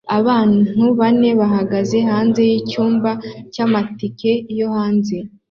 Abantu bane bahagaze hanze yicyumba cyamatike yo hanze